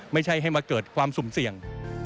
ไม่ใช่ให้มาเกิดความสุ่มเสี่ยง